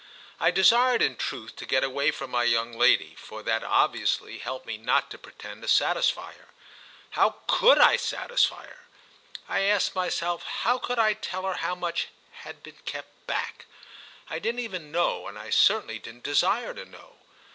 I desired in truth to get away from my young lady, for that obviously helped me not to pretend to satisfy her. How could I satisfy her? I asked myself—how could I tell her how much had been kept back? I didn't even know and I certainly didn't desire to know.